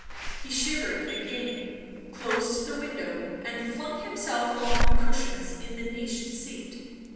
He shivered again, closed the window and flung himself along the cushions in the niched seat.